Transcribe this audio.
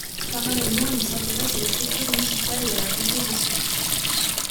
Parallèlement il s'intéresse à l'écriture musicale et à la composition.